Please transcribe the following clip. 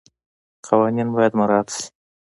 قوانین باید مراعات شي.